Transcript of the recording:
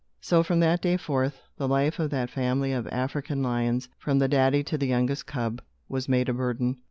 So from that day forth, the life of that family of African lions, from the daddy to the youngest cub, was made a burden.